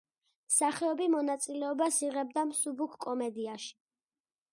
მსახიობი მონაწილეობას იღებდა მსუბუქ კომედიაში.